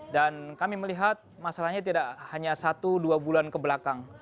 dan kami melihat masalahnya tidak hanya satu dua bulan kebelakang